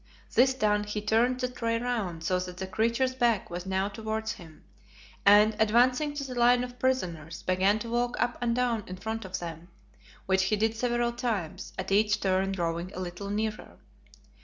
This done he turned the tray round so that the creature's back was now towards him, and, advancing to the line of prisoners, began to walk up and down in front of them, which he did several times, at each turn drawing a little nearer.